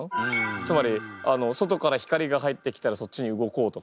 つまり外から光が入ってきたらそっちに動こうとか。